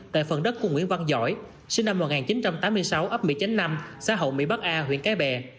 tại phần đất của nguyễn văn giỏi sinh năm một nghìn chín trăm tám mươi sáu ấp một mươi chín năm xã hội mỹ bắc a huyện cái bè